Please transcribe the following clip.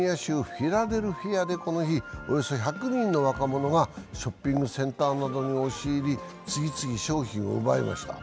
フィラデルフィアでこの日、およそ１００人の若者がショッピングセンターなどに押し入り、次々商品を奪いました。